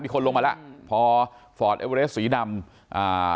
คนลงมาแล้วพอฟอร์ดเอเวอเรสสีดำอ่า